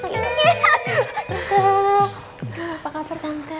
apa kabar tante